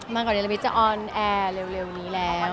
มันก็เรียนรับวิทยาลัยออนแอร์เร็วนี้แล้ว